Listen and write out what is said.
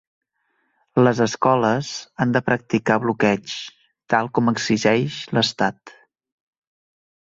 Les escoles han de practicar bloqueigs, tal com exigeix l'estat.